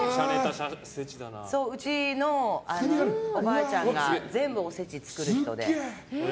うちのおばあちゃんが全部、おせち作る人なので。